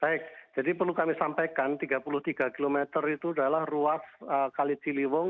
baik jadi perlu kami sampaikan tiga puluh tiga km itu adalah ruas kali ciliwung